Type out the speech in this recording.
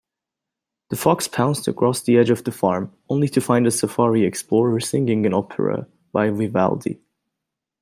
The fox pounced across the edge of the farm, only to find a safari explorer singing an opera by Vivaldi.